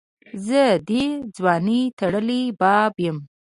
زه دي دځوانۍ ټړلي باب یمه